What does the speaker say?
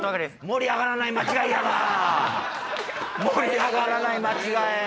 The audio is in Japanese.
盛り上がらない間違え！